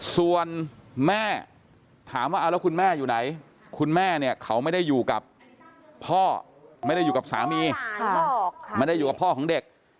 ส่วนแม่ถามว่าเอาแล้วคุณแม่อยู่ไหนคุณแม่เนี่ยเขาไม่ได้อยู่กับพ่อไม่ได้อยู่กับสามีไม่ได้อยู่กับพ่อของเด็ก